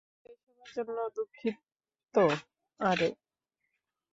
Please এসবের জন্য দুঃখিত আরে।